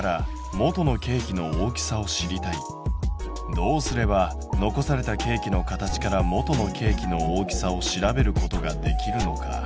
どうすれば残されたケーキの形から元のケーキの大きさを調べることができるのか？